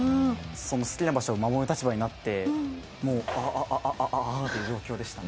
好きな場所を守る立場になってもうあっあっあっあっっていう状況でしたね。